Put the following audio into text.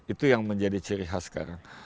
itu yang menjadi ciri khas sekarang